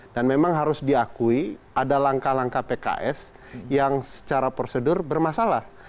dan memang harus diakui ada langkah langkah pks yang secara prosedur bermasalah